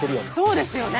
そうですよね。